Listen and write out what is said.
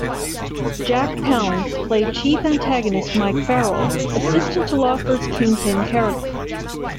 Jack Palance played chief antagonist Mike Farrell, assistant to Lawford's kingpin character.